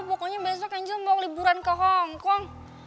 pokoknya besok angel mau liburan ke hongkong